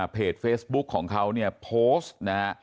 เพจเฟซบุ๊คของเขาเนี่ยโพสต์นะฮะ